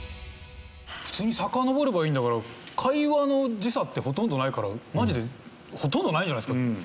普通にさかのぼればいいんだから会話の時差ってほとんどないからマジでほとんどないんじゃないですか？